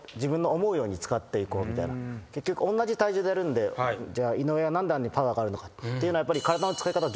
結局同じ体重とやるんでじゃあ井上は何であんなにパワーがあるのかっていうのは。